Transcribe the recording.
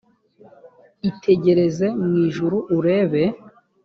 itegereze mu ijuru urebe